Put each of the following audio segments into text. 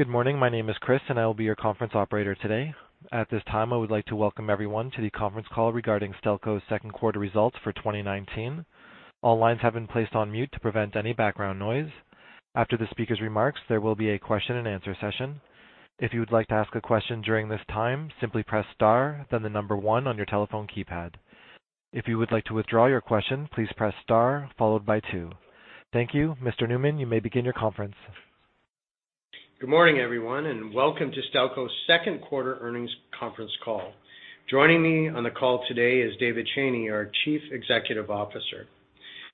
Good morning. My name is Chris, and I will be your conference operator today. At this time, I would like to welcome everyone to the conference call regarding Stelco's second quarter results for 2019. All lines have been placed on mute to prevent any background noise. After the speaker's remarks, there will be a question and answer session. If you would like to ask a question during this time, simply press star, then the number one on your telephone keypad. If you would like to withdraw your question, please press star followed by two. Thank you. Mr. Newman, you may begin your conference. Good morning, everyone, welcome to Stelco's second quarter earnings conference call. Joining me on the call today is David Cheney, our Chief Executive Officer.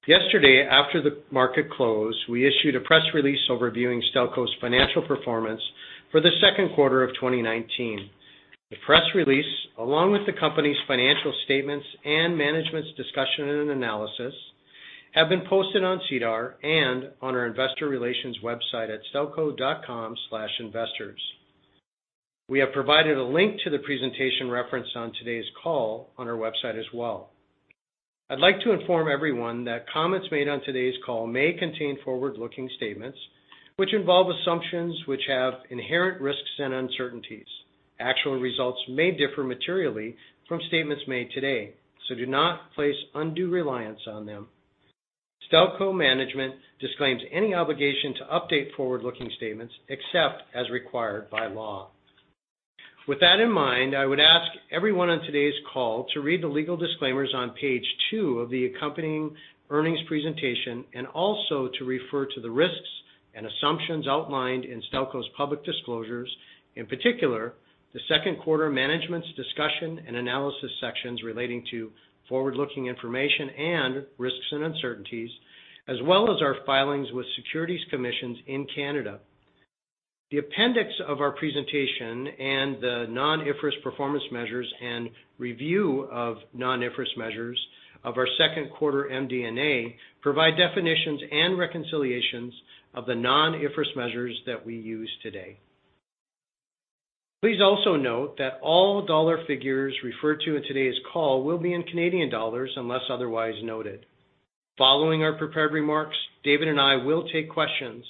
Yesterday, after the market close, we issued a press release overviewing Stelco's financial performance for the second quarter of 2019. The press release, along with the company's financial statements and Management's Discussion and Analysis, have been posted on SEDAR and on our investor relations website at stelco.com/investors. We have provided a link to the presentation referenced on today's call on our website as well. I'd like to inform everyone that comments made on today's call may contain forward-looking statements, which involve assumptions which have inherent risks and uncertainties. Actual results may differ materially from statements made today, do not place undue reliance on them. Stelco management disclaims any obligation to update forward-looking statements except as required by law. With that in mind, I would ask everyone on today's call to read the legal disclaimers on page two of the accompanying earnings presentation, and also to refer to the risks and assumptions outlined in Stelco's public disclosures. In particular, the second quarter Management's Discussion and Analysis sections relating to forward-looking information and risks and uncertainties, as well as our filings with securities commissions in Canada. The appendix of our presentation and the non-IFRS performance measures and review of non-IFRS measures of our second quarter MD&A provide definitions and reconciliations of the non-IFRS measures that we use today. Please also note that all dollar figures referred to in today's call will be in Canadian dollars, unless otherwise noted. Following our prepared remarks, David and I will take questions.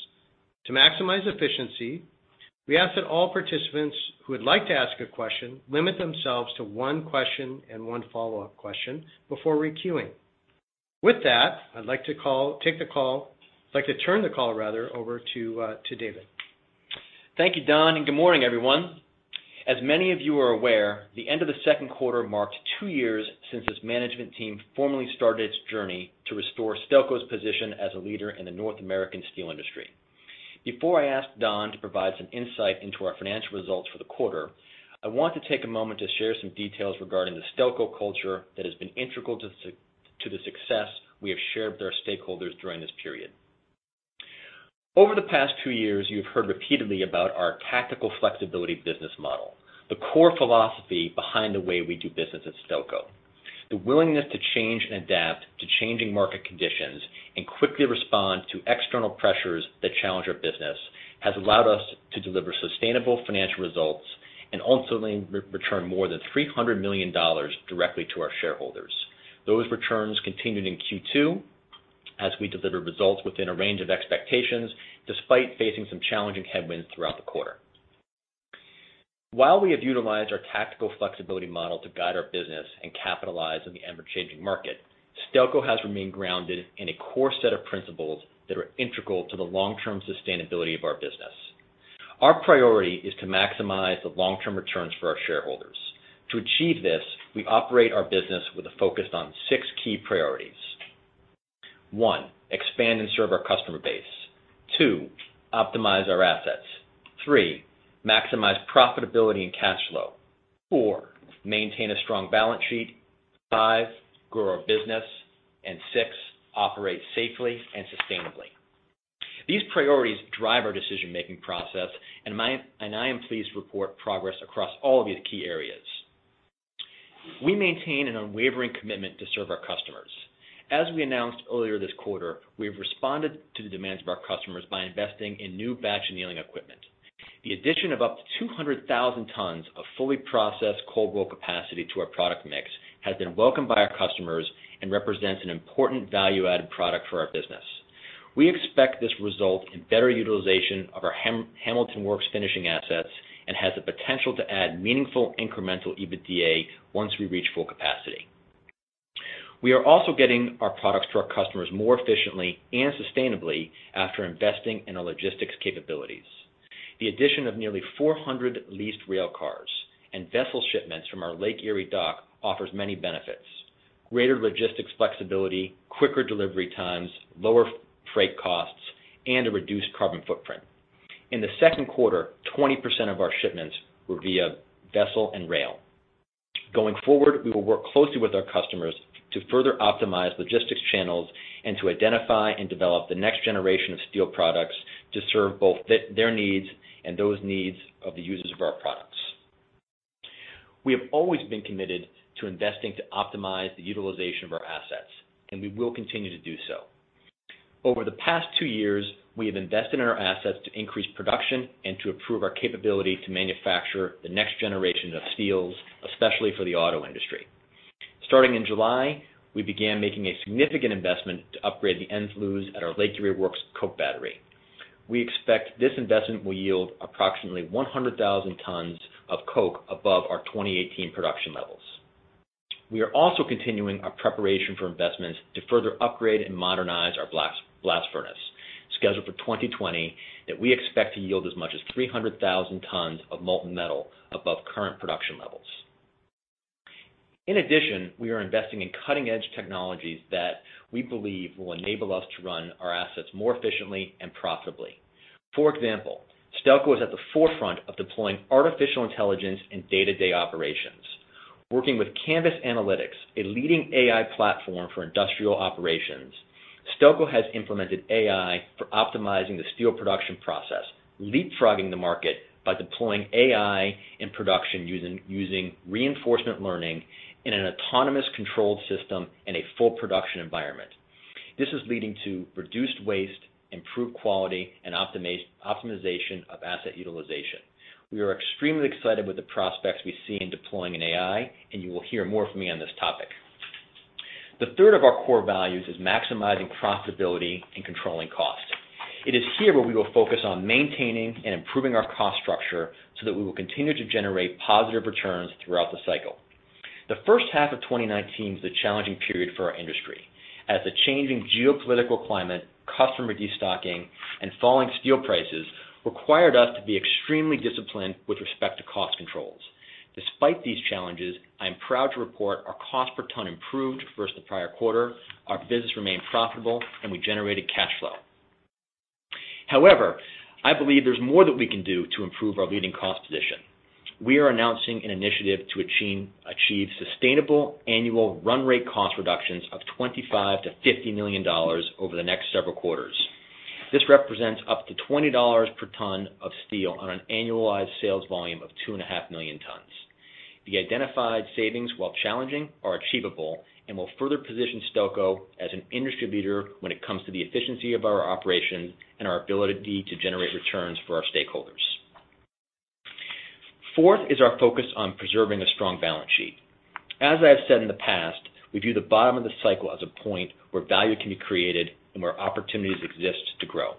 To maximize efficiency, we ask that all participants who would like to ask a question limit themselves to one question and one follow-up question before requeuing. With that, I'd like to turn the call over to David. Thank you, Don, and good morning, everyone. As many of you are aware, the end of the second quarter marked two years since this management team formally started its journey to restore Stelco's position as a leader in the North American steel industry. Before I ask Don to provide some insight into our financial results for the quarter, I want to take a moment to share some details regarding the Stelco culture that has been integral to the success we have shared with our stakeholders during this period. Over the past two years, you've heard repeatedly about our tactical flexibility business model, the core philosophy behind the way we do business at Stelco. The willingness to change and adapt to changing market conditions and quickly respond to external pressures that challenge our business has allowed us to deliver sustainable financial results and ultimately return more than 300 million dollars directly to our shareholders. Those returns continued in Q2 as we delivered results within a range of expectations, despite facing some challenging headwinds throughout the quarter. While we have utilized our tactical flexibility model to guide our business and capitalize on the ever-changing market, Stelco has remained grounded in a core set of principles that are integral to the long-term sustainability of our business. Our priority is to maximize the long-term returns for our shareholders. To achieve this, we operate our business with a focus on six key priorities. One, expand and serve our customer base. Two, optimize our assets. Three, maximize profitability and cash flow. Four, maintain a strong balance sheet. Five, grow our business, and six, operate safely and sustainably. These priorities drive our decision-making process, and I am pleased to report progress across all of these key areas. We maintain an unwavering commitment to serve our customers. As we announced earlier this quarter, we have responded to the demands of our customers by investing in new batch annealing equipment. The addition of up to 200,000 tons of fully processed cold roll capacity to our product mix has been welcomed by our customers and represents an important value-added product for our business. We expect this result in better utilization of our Hamilton Works finishing assets and has the potential to add meaningful incremental EBITDA once we reach full capacity. We are also getting our products to our customers more efficiently and sustainably after investing in our logistics capabilities. The addition of nearly 400 leased rail cars and vessel shipments from our Lake Erie dock offers many benefits: greater logistics flexibility, quicker delivery times, lower freight costs, and a reduced carbon footprint. In the second quarter, 20% of our shipments were via vessel and rail. Going forward, we will work closely with our customers to further optimize logistics channels and to identify and develop the next generation of steel products to serve both their needs and those needs of the users of our products. We have always been committed to investing to optimize the utilization of our assets, and we will continue to do so. Over the past two years, we have invested in our assets to increase production and to improve our capability to manufacture the next generation of steels, especially for the auto industry. Starting in July, we began making a significant investment to upgrade the end flues at our Lake Erie Works coke battery. We expect this investment will yield approximately 100,000 tons of coke above our 2018 production levels. We are also continuing our preparation for investments to further upgrade and modernize our blast furnace, scheduled for 2020, that we expect to yield as much as 300,000 tons of molten metal above current production levels. In addition, we are investing in cutting-edge technologies that we believe will enable us to run our assets more efficiently and profitably. For example, Stelco is at the forefront of deploying artificial intelligence in day-to-day operations. Working with Canvass Analytics, a leading AI platform for industrial operations, Stelco has implemented AI for optimizing the steel production process, leapfrogging the market by deploying AI in production using reinforcement learning in an autonomous controlled system in a full production environment. This is leading to reduced waste, improved quality, and optimization of asset utilization. We are extremely excited with the prospects we see in deploying an AI, and you will hear more from me on this topic. The third of our core values is maximizing profitability and controlling costs. It is here where we will focus on maintaining and improving our cost structure so that we will continue to generate positive returns throughout the cycle. The first half of 2019 is a challenging period for our industry, as the changing geopolitical climate, customer de-stocking, and falling steel prices required us to be extremely disciplined with respect to cost controls. Despite these challenges, I am proud to report our cost per ton improved versus the prior quarter, our business remained profitable, and we generated cash flow. However, I believe there's more that we can do to improve our leading cost position. We are announcing an initiative to achieve sustainable annual run rate cost reductions of 25 million-50 million dollars over the next several quarters. This represents up to 20 dollars per ton of steel on an annualized sales volume of 2.5 million tons. The identified savings, while challenging, are achievable and will further position Stelco as an industry leader when it comes to the efficiency of our operations and our ability to generate returns for our stakeholders. Fourth is our focus on preserving a strong balance sheet. As I have said in the past, we view the bottom of the cycle as a point where value can be created and where opportunities exist to grow.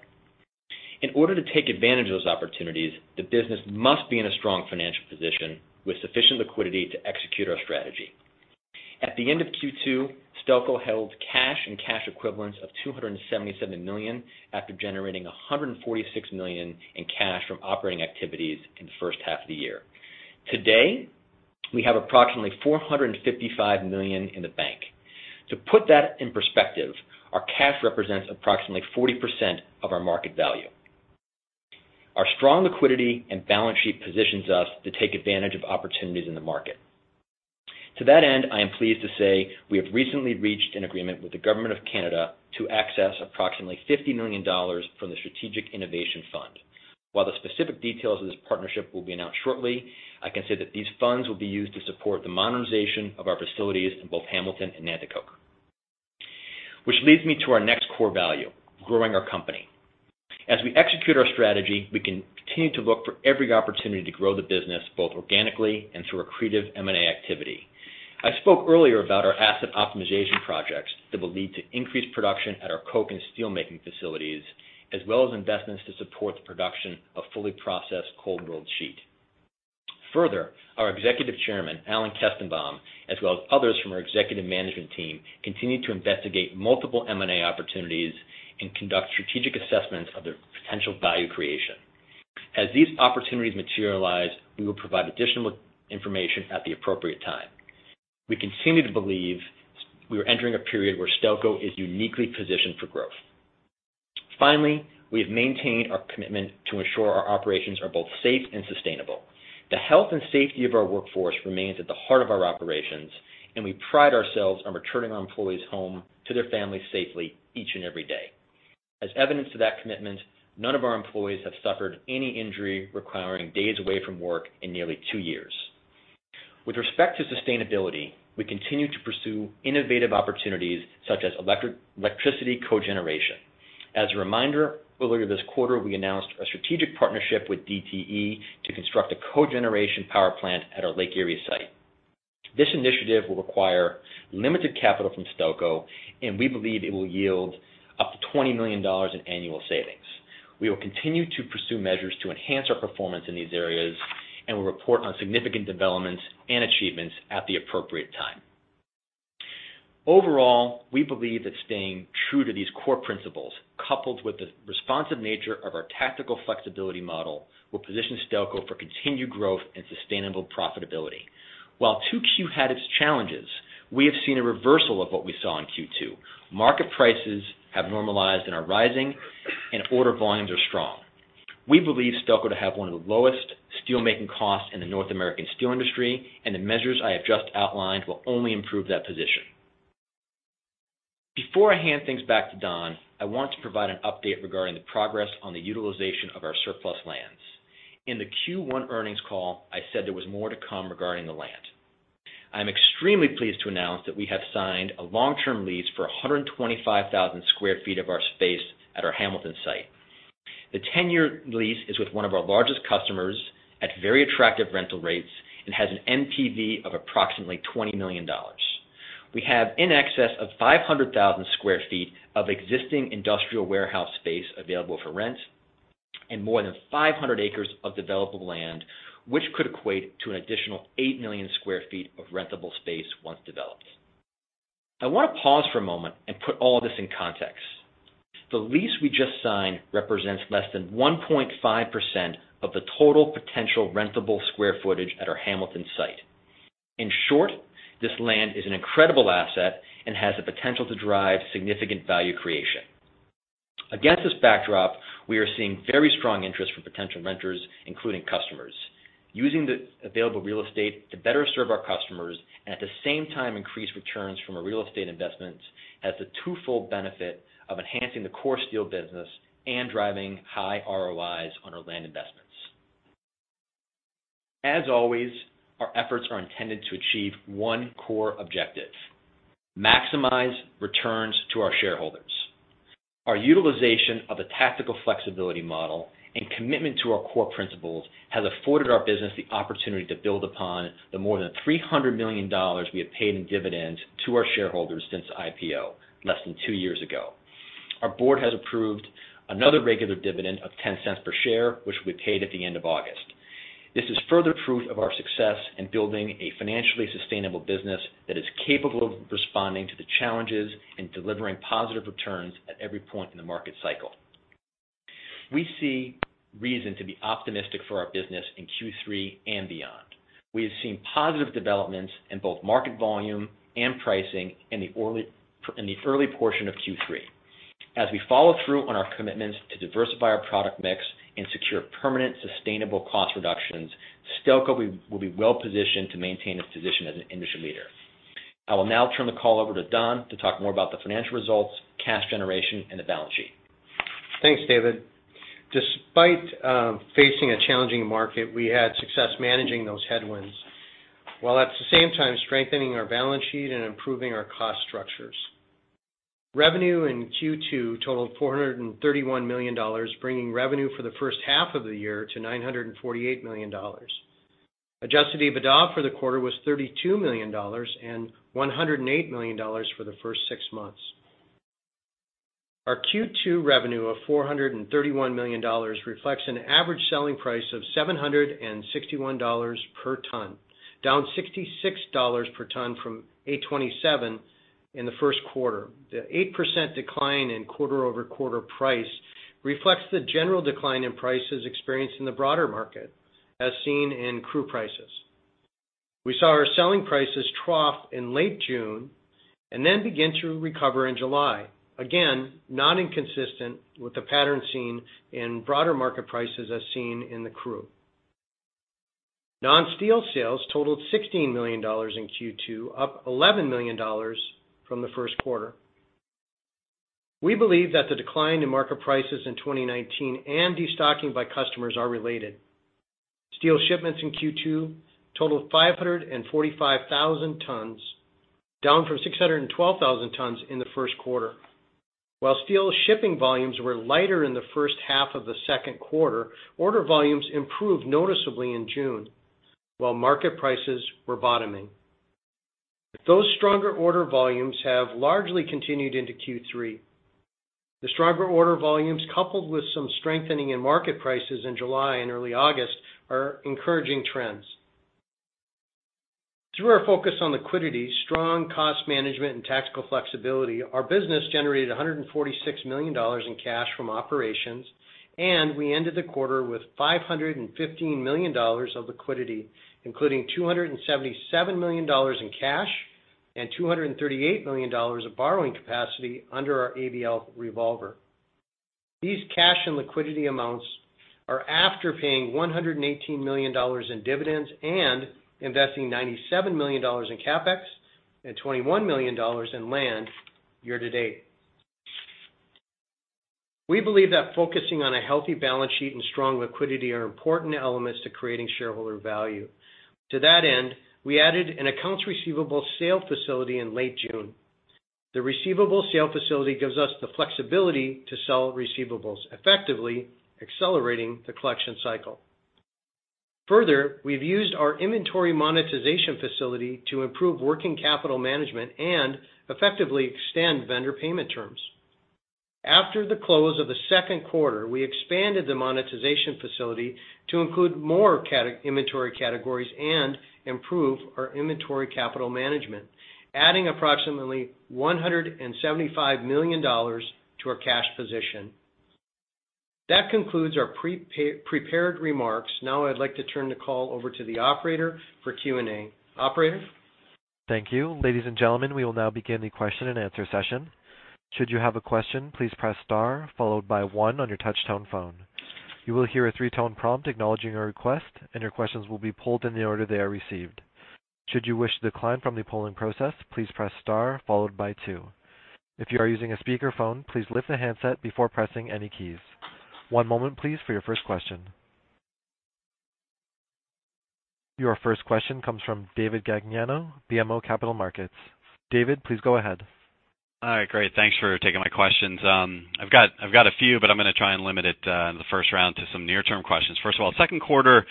In order to take advantage of those opportunities, the business must be in a strong financial position with sufficient liquidity to execute our strategy. At the end of Q2, Stelco held cash and cash equivalents of 277 million after generating 146 million in cash from operating activities in the first half of the year. Today, we have approximately 455 million in the bank. To put that in perspective, our cash represents approximately 40% of our market value. Our strong liquidity and balance sheet positions us to take advantage of opportunities in the market. To that end, I am pleased to say we have recently reached an agreement with the government of Canada to access approximately 50 million dollars from the Strategic Innovation Fund. While the specific details of this partnership will be announced shortly, I can say that these funds will be used to support the modernization of our facilities in both Hamilton and Nanticoke. Which leads me to our next core value, growing our company. As we execute our strategy, we continue to look for every opportunity to grow the business, both organically and through accretive M&A activity. I spoke earlier about our asset optimization projects that will lead to increased production at our coke and steelmaking facilities, as well as investments to support the production of fully processed cold-rolled sheet. Further, our Executive Chairman, Alan Kestenbaum, as well as others from our executive management team, continue to investigate multiple M&A opportunities and conduct strategic assessments of their potential value creation. As these opportunities materialize, we will provide additional information at the appropriate time. We continue to believe we are entering a period where Stelco is uniquely positioned for growth. We have maintained our commitment to ensure our operations are both safe and sustainable. The health and safety of our workforce remains at the heart of our operations, and we pride ourselves on returning our employees home to their families safely each and every day. As evidence to that commitment, none of our employees have suffered any injury requiring days away from work in nearly two years. With respect to sustainability, we continue to pursue innovative opportunities such as electricity cogeneration. As a reminder, earlier this quarter, we announced a strategic partnership with DTE to construct a cogeneration power plant at our Lake Erie site. This initiative will require limited capital from Stelco, and we believe it will yield up to 20 million dollars in annual savings. We will continue to pursue measures to enhance our performance in these areas and will report on significant developments and achievements at the appropriate time. Overall, we believe that staying true to these core principles, coupled with the responsive nature of our tactical flexibility model, will position Stelco for continued growth and sustainable profitability. While 2Q had its challenges, we have seen a reversal of what we saw in Q2. Market prices have normalized and are rising, and order volumes are strong. We believe Stelco to have one of the lowest steelmaking costs in the North American steel industry, and the measures I have just outlined will only improve that position. Before I hand things back to Don, I want to provide an update regarding the progress on the utilization of our surplus lands. In the Q1 earnings call, I said there was more to come regarding the land. I am extremely pleased to announce that we have signed a long-term lease for 125,000 sq ft of our space at our Hamilton site. The 10-year lease is with one of our largest customers at very attractive rental rates and has an NPV of approximately 20 million dollars. We have in excess of 500,000 sq ft of existing industrial warehouse space available for rent and more than 500 acres of developable land, which could equate to an additional 8 million square feet of rentable space once developed. I want to pause for a moment and put all this in context. The lease we just signed represents less than 1.5% of the total potential rentable square footage at our Hamilton site. In short, this land is an incredible asset and has the potential to drive significant value creation. Against this backdrop, we are seeing very strong interest from potential renters, including customers. Using the available real estate to better serve our customers and at the same time increase returns from our real estate investments, has the twofold benefit of enhancing the core steel business and driving high ROIs on our land investments. As always, our efforts are intended to achieve one core objective: maximize returns to our shareholders. Our utilization of a tactical flexibility model and commitment to our core principles has afforded our business the opportunity to build upon the more than 300 million dollars we have paid in dividends to our shareholders since IPO, less than two years ago. Our board has approved another regular dividend of 0.10 per share, which we paid at the end of August. This is further proof of our success in building a financially sustainable business that is capable of responding to the challenges and delivering positive returns at every point in the market cycle. We see reason to be optimistic for our business in Q3 and beyond. We have seen positive developments in both market volume and pricing in the early portion of Q3. As we follow through on our commitments to diversify our product mix and secure permanent, sustainable cost reductions, Stelco will be well-positioned to maintain its position as an industry leader. I will now turn the call over to Don to talk more about the financial results, cash generation, and the balance sheet. Thanks, David. Despite facing a challenging market, we had success managing those headwinds, while at the same time strengthening our balance sheet and improving our cost structures. Revenue in Q2 totaled 431 million dollars, bringing revenue for the first half of the year to 948 million dollars. Adjusted EBITDA for the quarter was 32 million dollars and 108 million dollars for the first six months. Our Q2 revenue of 431 million dollars reflects an average selling price of 761 dollars per ton, down 66 dollars per ton from 827 in the first quarter. The 8% decline in quarter-over-quarter price reflects the general decline in prices experienced in the broader market, as seen in CRU prices. We saw our selling prices trough in late June then begin to recover in July. Again, not inconsistent with the pattern seen in broader market prices, as seen in the CRU. Non-steel sales totaled 16 million dollars in Q2, up 11 million dollars from the first quarter. We believe that the decline in market prices in 2019 and destocking by customers are related. Steel shipments in Q2 totaled 545,000 tons, down from 612,000 tons in the first quarter. While steel shipping volumes were lighter in the first half of the second quarter, order volumes improved noticeably in June while market prices were bottoming. Those stronger order volumes have largely continued into Q3. The stronger order volumes, coupled with some strengthening in market prices in July and early August, are encouraging trends. Through our focus on liquidity, strong cost management, and tactical flexibility, our business generated 146 million dollars in cash from operations, and we ended the quarter with 515 million dollars of liquidity, including 277 million dollars in cash and 238 million dollars of borrowing capacity under our ABL revolver. These cash and liquidity amounts are after paying 118 million dollars in dividends and investing 97 million dollars in CapEx and 21 million dollars in land year to date. We believe that focusing on a healthy balance sheet and strong liquidity are important elements to creating shareholder value. To that end, we added an accounts receivable sale facility in late June. The receivable sale facility gives us the flexibility to sell receivables, effectively accelerating the collection cycle. We've used our inventory monetization facility to improve working capital management and effectively extend vendor payment terms. After the close of the second quarter, we expanded the monetization facility to include more inventory categories and improve our inventory capital management, adding approximately 175 million dollars to our cash position. That concludes our prepared remarks. I'd like to turn the call over to the operator for Q&A. Operator? Thank you. Ladies and gentlemen, we will now begin the question and answer session. Should you have a question, please press star followed by one on your touch tone phone. You will hear a three-tone prompt acknowledging your request, and your questions will be polled in the order they are received. Should you wish to decline from the polling process, please press star followed by two. If you are using a speakerphone, please lift the handset before pressing any keys. One moment, please, for your first question. Your first question comes from David Gagliano, BMO Capital Markets. David, please go ahead. All right, great. Thanks for taking my questions. I've got a few, but I'm going to try and limit it in the first round to some near-term questions. First of all, second quarter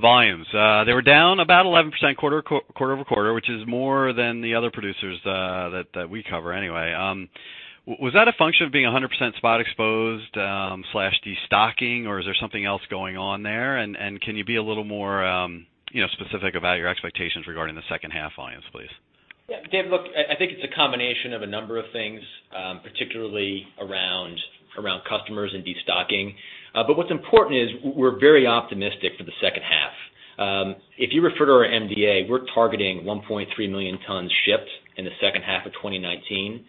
volumes. They were down about 11% quarter-over-quarter, which is more than the other producers that we cover anyway. Was that a function of being 100% spot exposed/destocking, or is there something else going on there? Can you be a little more specific about your expectations regarding the second half volumes, please? Yeah, Dave, look, I think it's a combination of a number of things, particularly around customers and destocking. What's important is we're very optimistic for the second half. If you refer to our MD&A, we're targeting 1.3 million tons shipped in the second half of 2019.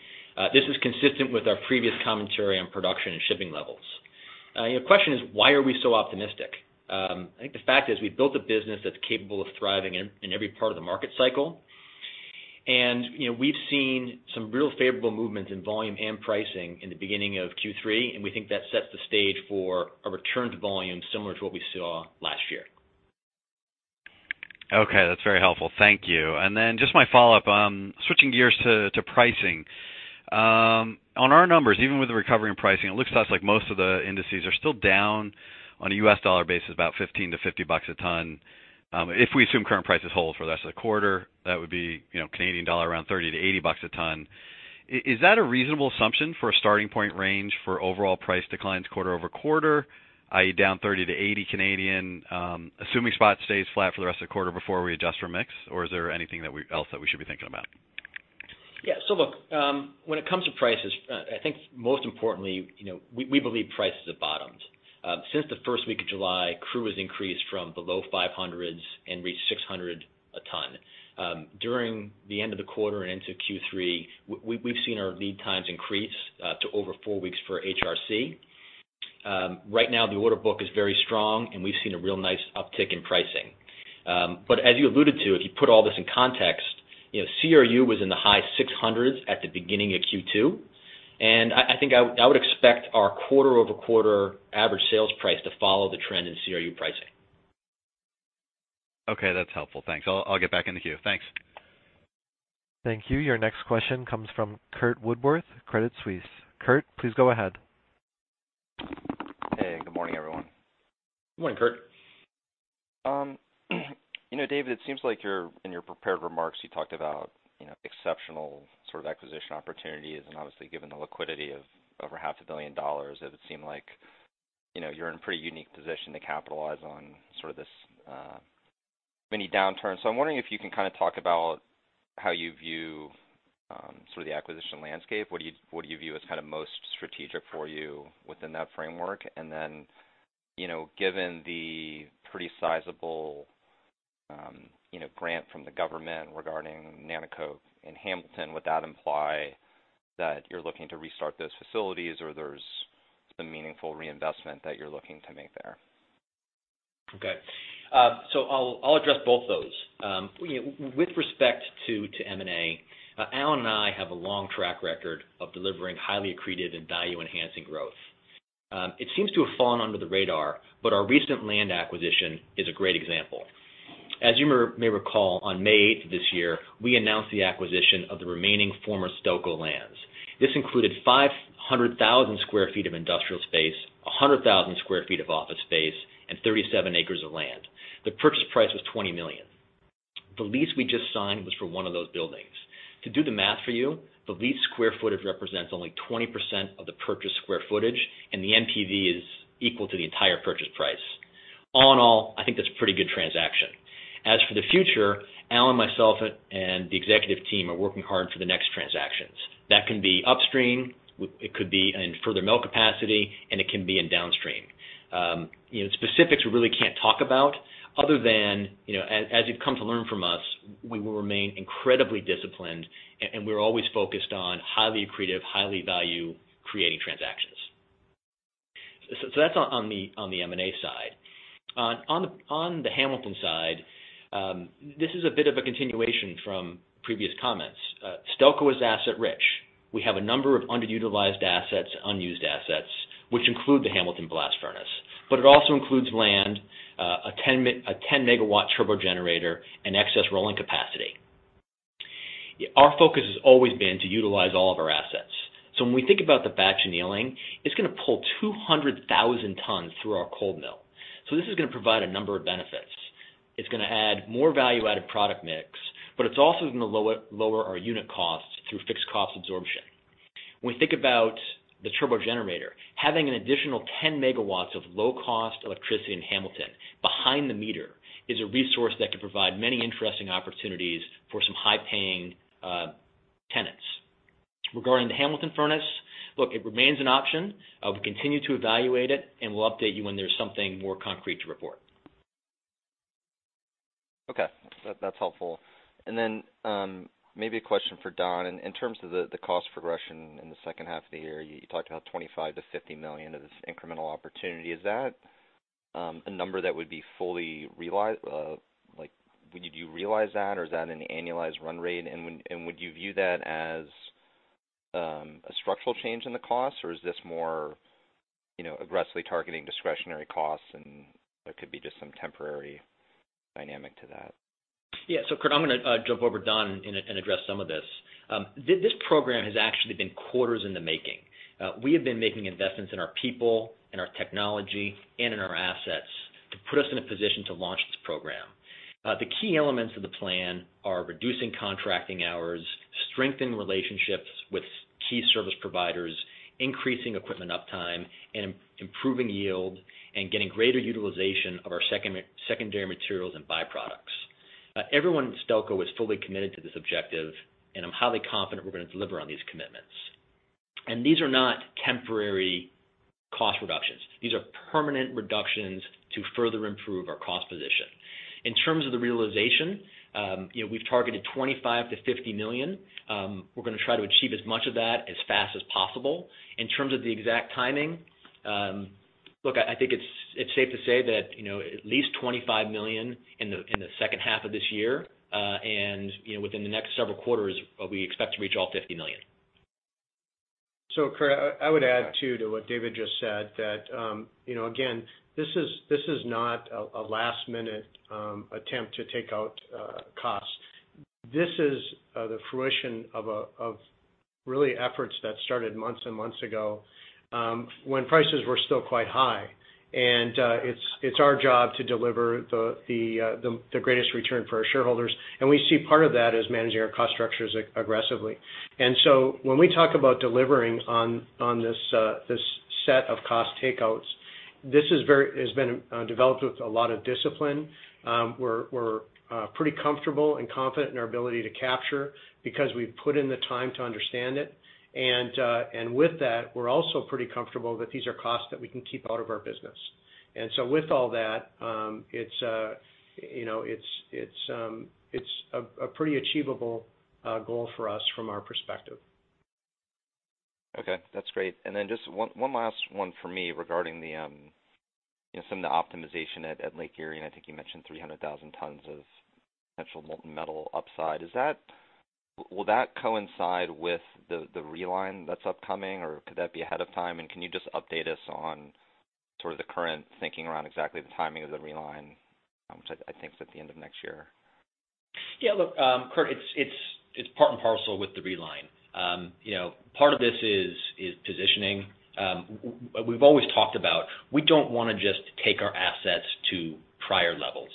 This is consistent with our previous commentary on production and shipping levels. The question is, why are we so optimistic? I think the fact is we've built a business that's capable of thriving in every part of the market cycle. We've seen some real favorable movements in volume and pricing in the beginning of Q3, and we think that sets the stage for a return to volume similar to what we saw last year. Okay, that's very helpful. Thank you. Then just my follow-up, switching gears to pricing. On our numbers, even with the recovery in pricing, it looks to us like most of the indices are still down on a U.S. dollar basis, about $15-$50 a ton. If we assume current prices hold for the rest of the quarter, that would be Canadian dollar around 30-80 bucks a ton. Is that a reasonable assumption for a starting point range for overall price declines quarter-over-quarter, i.e., down 30-80, assuming spot stays flat for the rest of the quarter before we adjust for mix, or is there anything else that we should be thinking about? Look, when it comes to prices, I think most importantly, we believe prices have bottomed. Since the first week of July, CRU has increased from the low CAD 500s and reached 600 a ton. During the end of the quarter and into Q3, we've seen our lead times increase to over four weeks for HRC. Right now, the order book is very strong, and we've seen a real nice uptick in pricing. As you alluded to, if you put all this in context, CRU was in the high CAD 600s at the beginning of Q2, and I think I would expect our quarter-over-quarter average sales price to follow the trend in CRU pricing. Okay, that's helpful. Thanks. I'll get back in the queue. Thanks. Thank you. Your next question comes from Curt Woodworth, Credit Suisse. Curt, please go ahead. Hey, good morning, everyone. Good morning, Curt. David, it seems like in your prepared remarks, you talked about exceptional sort of acquisition opportunities. Obviously, given the liquidity of over half a billion CAD, it would seem like you're in a pretty unique position to capitalize on sort of this mini downturn. I'm wondering if you can kind of talk about how you view sort of the acquisition landscape. What do you view as kind of most strategic for you within that framework? Then, given the pretty sizable grant from the government regarding Nanticoke and Hamilton, would that imply that you're looking to restart those facilities or there's some meaningful reinvestment that you're looking to make there? I'll address both of those. With respect to M&A, Alan and I have a long track record of delivering highly accretive and value-enhancing growth. It seems to have fallen under the radar, but our recent land acquisition is a great example. As you may recall, on May 8 this year, we announced the acquisition of the remaining former Stelco lands. This included 500,000 sq ft of industrial space, 100,000 sq ft of office space, and 37 acres of land. The purchase price was 20 million. The lease we just signed was for one of those buildings. To do the math for you, the leased square footage represents only 20% of the purchased square footage, and the NPV is equal to the entire purchase price. All in all, I think that's a pretty good transaction. As for the future, Alan, myself, and the executive team are working hard for the next transactions. That can be upstream, it could be in further mill capacity, and it can be in downstream. Specifics we really can't talk about other than, as you've come to learn from us, we will remain incredibly disciplined, and we're always focused on highly accretive, highly value-creating transactions. That's on the M&A side. On the Hamilton side, this is a bit of a continuation from previous comments. Stelco is asset-rich. We have a number of underutilized assets, unused assets, which include the Hamilton blast furnace, but it also includes land, a 10 MW turbogenerator, and excess rolling capacity. Our focus has always been to utilize all of our assets. When we think about the batch annealing, it's going to pull 200,000 tons through our cold mill. This is going to provide a number of benefits. It's going to add more value-added product mix, but it's also going to lower our unit costs through fixed cost absorption. When we think about the turbogenerator, having an additional 10 MW of low-cost electricity in Hamilton behind the meter is a resource that could provide many interesting opportunities for some high-paying tenants. Regarding the Hamilton furnace, look, it remains an option. We continue to evaluate it, and we'll update you when there's something more concrete to report. Okay. That's helpful. Maybe a question for Don. In terms of the cost progression in the second half of the year, you talked about 25 million-50 million of this incremental opportunity. Is that a number that would be fully realized? Would you realize that, or is that an annualized run rate? Would you view that as a structural change in the costs, or is this more aggressively targeting discretionary costs and there could be just some temporary dynamic to that? Yeah. Curt, I’m going to jump over Don and address some of this. This program has actually been quarters in the making. We have been making investments in our people, in our technology, and in our assets to put us in a position to launch this program. The key elements of the plan are reducing contracting hours, strengthening relationships with key service providers, increasing equipment uptime, and improving yield, and getting greater utilization of our secondary materials and byproducts. Everyone at Stelco is fully committed to this objective, and I’m highly confident we’re going to deliver on these commitments. These are not temporary cost reductions. These are permanent reductions to further improve our cost position. In terms of the realization, we’ve targeted 25 million to 50 million. We’re going to try to achieve as much of that as fast as possible. In terms of the exact timing, look, I think it's safe to say that at least 25 million in the second half of this year. Within the next several quarters, we expect to reach all 50 million. Curt, I would add too, to what David just said, that again, this is not a last-minute attempt to take out costs. This is the fruition of efforts that started months and months ago, when prices were still quite high. It's our job to deliver the greatest return for our shareholders, and we see part of that as managing our cost structures aggressively. When we talk about delivering on this set of cost takeouts, this has been developed with a lot of discipline. We're pretty comfortable and confident in our ability to capture because we've put in the time to understand it. With that, we're also pretty comfortable that these are costs that we can keep out of our business. With all that, it's a pretty achievable goal for us from our perspective. Okay. That's great. Just one last one from me regarding some of the optimization at Lake Erie, and I think you mentioned 300,000 tons of potential molten metal upside. Will that coincide with the reline that's upcoming, or could that be ahead of time? Can you just update us on the current thinking around exactly the timing of the reline, which I think is at the end of next year? Yeah. Look, Curt, it's part and parcel with the reline. Part of this is positioning. We've always talked about we don't want to just take our assets to prior levels.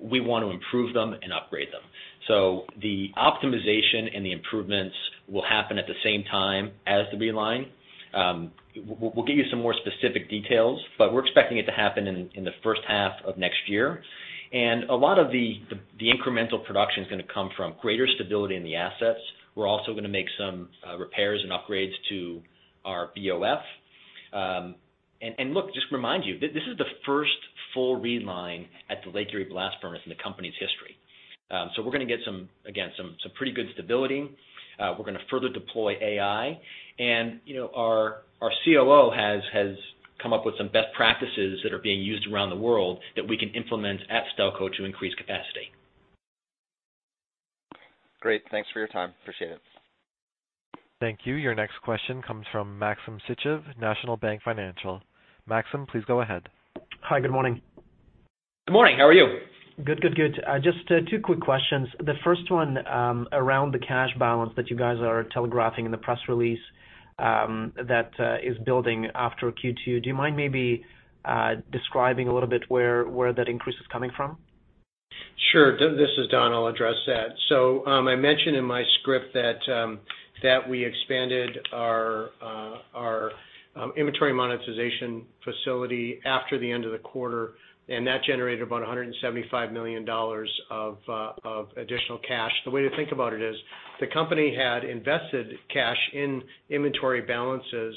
We want to improve them and upgrade them. The optimization and the improvements will happen at the same time as the reline. We'll give you some more specific details, but we're expecting it to happen in the first half of next year. A lot of the incremental production's going to come from greater stability in the assets. We're also going to make some repairs and upgrades to our BOF. Look, just to remind you, this is the first full reline at the Lake Erie blast furnace in the company's history. We're going to get, again, some pretty good stability. We're going to further deploy AI. Our COO has come up with some best practices that are being used around the world that we can implement at Stelco to increase capacity. Great. Thanks for your time. Appreciate it. Thank you. Your next question comes from Maxim Sytchev, National Bank Financial. Maxim, please go ahead. Hi. Good morning. Good morning. How are you? Good. Just two quick questions. The first one around the cash balance that you guys are telegraphing in the press release that is building after Q2. Do you mind maybe describing a little bit where that increase is coming from? Sure. This is Don. I'll address that. I mentioned in my script that we expanded our inventory monetization facility after the end of the quarter, and that generated about 175 million dollars of additional cash. The way to think about it is the company had invested cash in inventory balances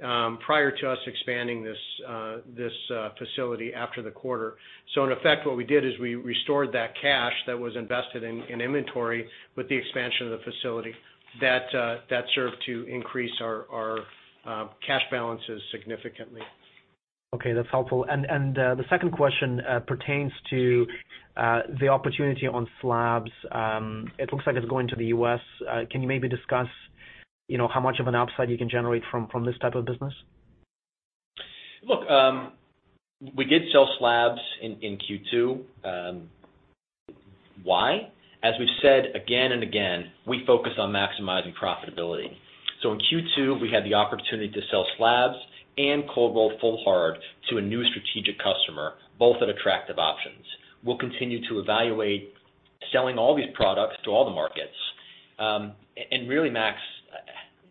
prior to us expanding this facility after the quarter. In effect, what we did is we restored that cash that was invested in inventory with the expansion of the facility. That served to increase our cash balances significantly. Okay. That's helpful. The second question pertains to the opportunity on slabs. It looks like it's going to the U.S. Can you maybe discuss how much of an upside you can generate from this type of business? Look, we did sell slabs in Q2. Why? As we've said again and again, we focus on maximizing profitability. In Q2, we had the opportunity to sell slabs and cold roll full hard to a new strategic customer, both at attractive options. We'll continue to evaluate selling all these products to all the markets. Really, Max,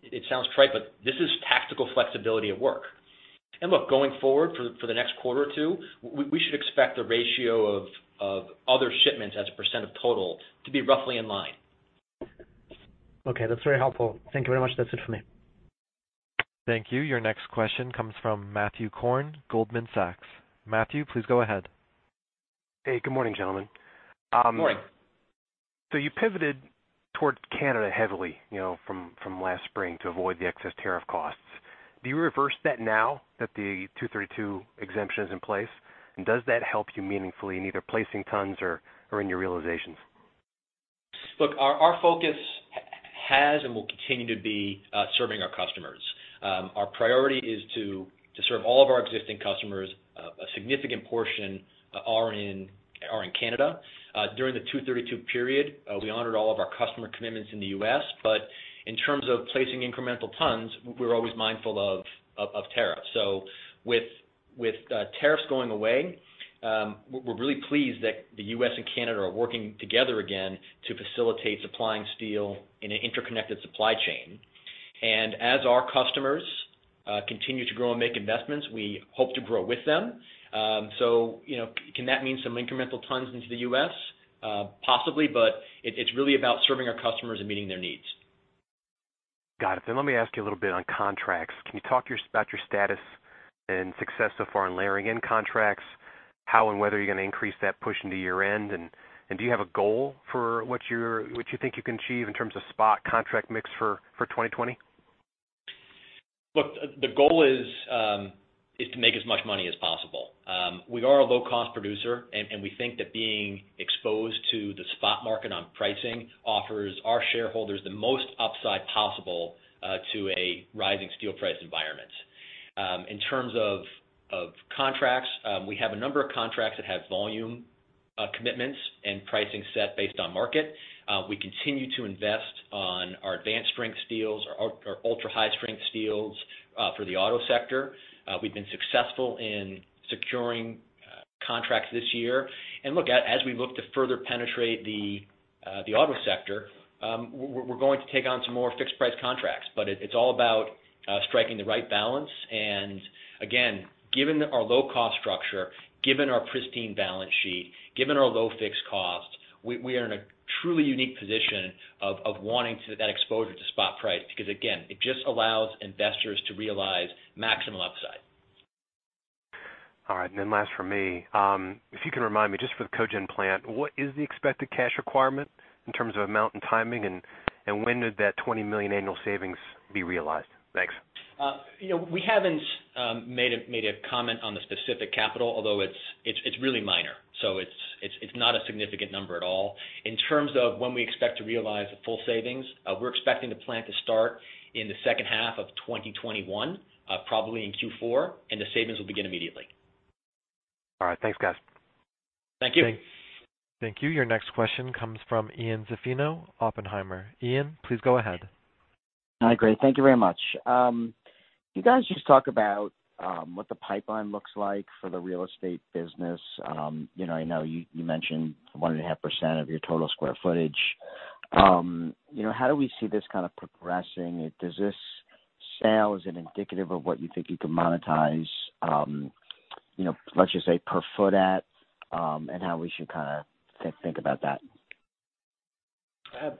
it sounds trite, but this is tactical flexibility at work. Look, going forward for the next quarter or two, we should expect the ratio of other shipments as a percent of total to be roughly in line. Okay. That's very helpful. Thank you very much. That's it for me. Thank you. Your next question comes from Matthew Korn, Goldman Sachs. Matthew, please go ahead. Hey, good morning, gentlemen. Morning. You pivoted towards Canada heavily from last spring to avoid the excess tariff costs. Do you reverse that now that the 232 exemption is in place? Does that help you meaningfully in either placing tons or in your realizations? Look, our focus has and will continue to be serving our customers. Our priority is to serve all of our existing customers. A significant portion are in Canada. During the 232 period, we honored all of our customer commitments in the U.S., but in terms of placing incremental tons, we're always mindful of tariffs. With tariffs going away, we're really pleased that the U.S. and Canada are working together again to facilitate supplying steel in an interconnected supply chain. As our customers continue to grow and make investments, we hope to grow with them. Can that mean some incremental tons into the U.S.? Possibly, but it's really about serving our customers and meeting their needs. Got it. Let me ask you a little bit on contracts. Can you talk about your status and success so far in layering in contracts? How and whether you're going to increase that push into year-end, and do you have a goal for what you think you can achieve in terms of spot contract mix for 2020? Look, the goal is to make as much money as possible. We are a low-cost producer, and we think that being exposed to the spot market on pricing offers our shareholders the most upside possible to a rising steel price environment. In terms of contracts, we have a number of contracts that have volume commitments and pricing set based on market. We continue to invest on our advanced strength steels, our ultra-high strength steels for the auto sector. We've been successful in securing contracts this year. Look, as we look to further penetrate the auto sector, we're going to take on some more fixed price contracts. It's all about striking the right balance, and again, given our low-cost structure, given our pristine balance sheet, given our low fixed cost, we are in a truly unique position of wanting that exposure to spot price. Again, it just allows investors to realize maximal upside. All right. Last from me, if you can remind me, just for the cogen plant, what is the expected cash requirement in terms of amount and timing, when did that 20 million annual savings be realized? Thanks. We haven't made a comment on the specific capital, although it's really minor. It's not a significant number at all. In terms of when we expect to realize the full savings, we're expecting the plant to start in the second half of 2021, probably in Q4, and the savings will begin immediately. All right. Thanks, guys. Thank you. Thank you. Your next question comes from Ian Zaffino, Oppenheimer. Ian, please go ahead. Hi, great. Thank you very much. Can you guys just talk about what the pipeline looks like for the real estate business? I know you mentioned 1.5% of your total square footage. How do we see this kind of progressing? Does this sale, is it indicative of what you think you can monetize, let's just say per foot at, and how we should think about that? Look,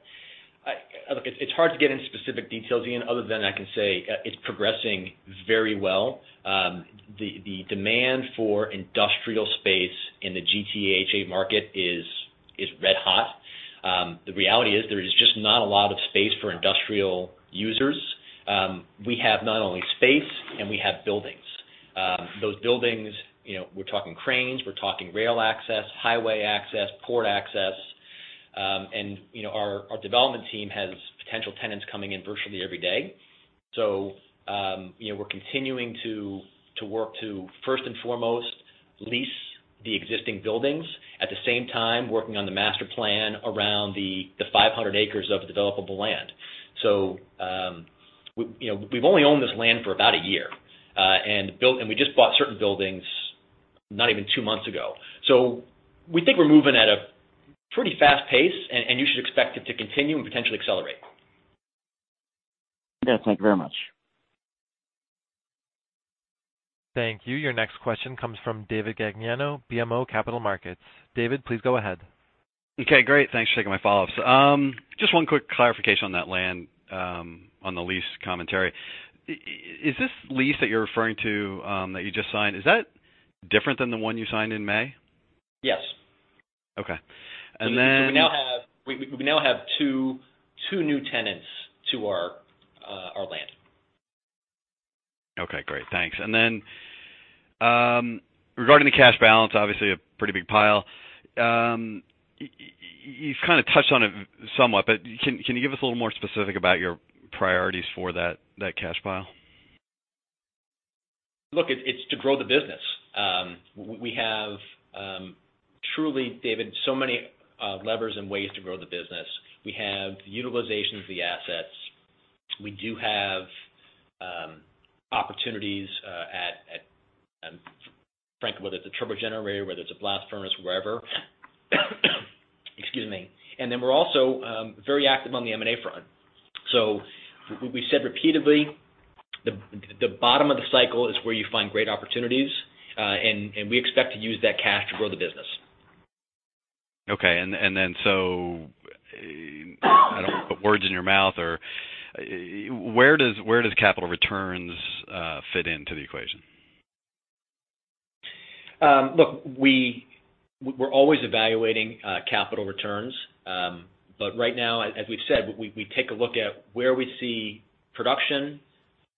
it's hard to get into specific details, Ian, other than I can say it's progressing very well. The demand for industrial space in the GTHA market is red hot. The reality is there is just not a lot of space for industrial users. We have not only space, and we have buildings. Those buildings, we're talking cranes, we're talking rail access, highway access, port access. Our development team has potential tenants coming in virtually every day. We're continuing to work to, first and foremost, lease the existing buildings. At the same time, working on the master plan around the 500 acres of developable land. We've only owned this land for about a year, and we just bought certain buildings not even two months ago. We think we're moving at a pretty fast pace, and you should expect it to continue and potentially accelerate. Yes. Thank you very much. Thank you. Your next question comes from David Gagliano, BMO Capital Markets. David, please go ahead. Okay, great. Thanks for taking my follow-ups. Just one quick clarification on that land, on the lease commentary. Is this lease that you're referring to, that you just signed, is that different than the one you signed in May? Yes. Okay. We now have two new tenants to our land. Okay, great. Thanks. Regarding the cash balance, obviously a pretty big pile, you've kind of touched on it somewhat. Can you give us a little more specific about your priorities for that cash pile? Look, it's to grow the business. We have truly, David, so many levers and ways to grow the business. We have the utilization of the assets. We do have opportunities at, frankly, whether it's a turbo generator, whether it's a blast furnace, wherever. Then we're also very active on the M&A front. We've said repeatedly, the bottom of the cycle is where you find great opportunities, and we expect to use that cash to grow the business. Okay. I don't want to put words in your mouth. Where does capital returns fit into the equation? We're always evaluating capital returns. Right now, as we've said, we take a look at where we see production,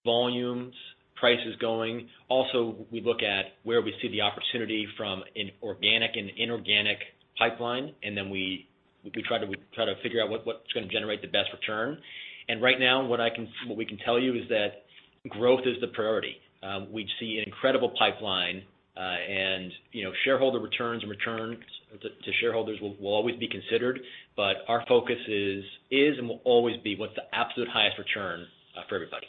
volumes, prices going. Also, we look at where we see the opportunity from an organic and inorganic pipeline. We try to figure out what's going to generate the best return. Right now, what we can tell you is that growth is the priority. We see an incredible pipeline, and shareholder returns and returns to shareholders will always be considered, but our focus is, and will always be, what's the absolute highest return for everybody.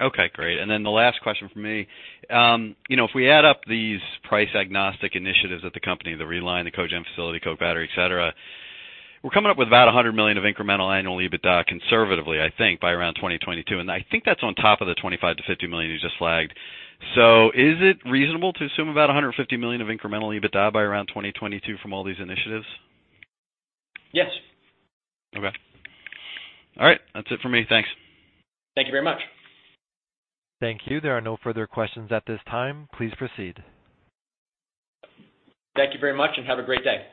Okay, great. The last question from me. If we add up these price-agnostic initiatives at the company, the reline, the cogen facility, coke battery, et cetera, we're coming up with about 100 million of incremental annual EBITDA conservatively, I think, by around 2022. I think that's on top of the 25 million-50 million you just flagged. Is it reasonable to assume about 150 million of incremental EBITDA by around 2022 from all these initiatives? Yes. Okay. All right. That's it for me. Thanks. Thank you very much. Thank you. There are no further questions at this time. Please proceed. Thank you very much, and have a great day.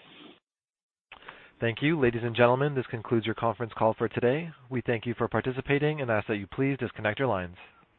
Thank you. Ladies and gentlemen, this concludes your conference call for today. We thank you for participating and ask that you please disconnect your lines.